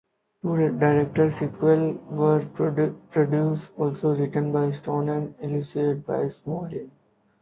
Two direct sequels were produced, also written by Stone and Illustrated by Smollin.